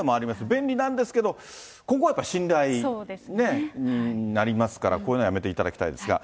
便利なんですけど、ここは信頼になりますから、こういうのやめていただきたいですが。